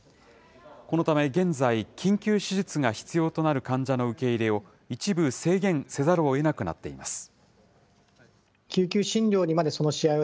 このため現在、緊急手術が必要となる患者の受け入れを、一部制限せざるをえなくなっています。